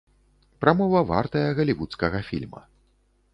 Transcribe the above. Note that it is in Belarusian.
Прамова вартая галівудскага фільма.